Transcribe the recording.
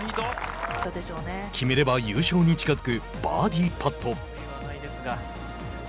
決めれば優勝に近づくバーディーパット。